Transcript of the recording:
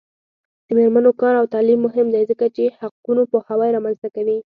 د میرمنو کار او تعلیم مهم دی ځکه چې حقونو پوهاوی رامنځته کوي.